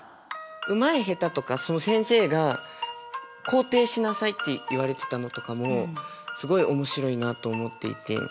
うまい下手とか先生が肯定しなさいって言われてたのとかもすごい面白いなと思っていて。